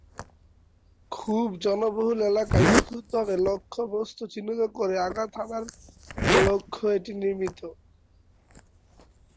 খুব জনবহুল এলাকায় নিখুঁতভাবে লক্ষ্যবস্তু চিহ্নিত করে আঘাত হানার লক্ষ্যে এটি নির্মিত।